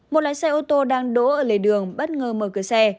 một lái xe ô tô đang đỗ ở lề đường bất ngờ mở cửa xe